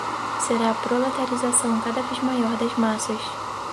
será a proletarização cada vez maior das massas